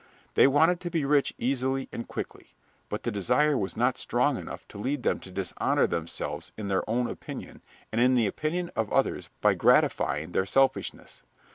They wanted to be rich easily and quickly, but the desire was not strong enough to lead them to dishonor themselves in their own opinion and in the opinion of others by gratifying their selfishness.